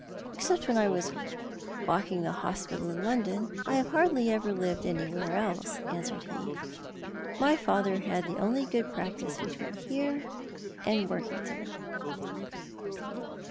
" Except when I was walking tlio hospital in London, I bavo hardly ever lived anywhere else," answereil he. " 2Iy father had the only good practice between here and Workington.